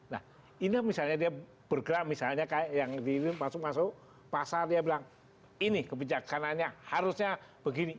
nah ini misalnya dia bergerak misalnya kayak yang masuk masuk pasar dia bilang ini kebijaksanaannya harusnya begini